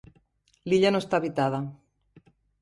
L'illa no està habitada.